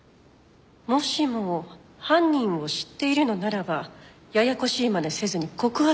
もしも犯人を知っているのならばややこしい真似せずに告発すればいいわ。